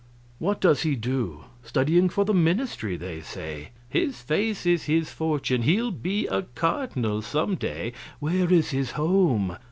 "What does he do?" "Studying for the ministry, they say." "His face is his fortune he'll be a cardinal some day." "Where is his home?"